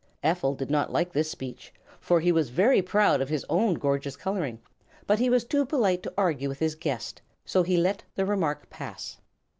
Ephel did not like this speech, for he was very proud of his own gorgeous coloring; but he was too polite to argue with his guest, so he let the remark pass.